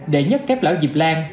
đệ nhất cáp lão diệp lan